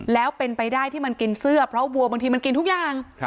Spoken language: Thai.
แล้วเป็นไปได้ที่มันกินเสื้อเพราะวัวบางทีมันกินทุกอย่าง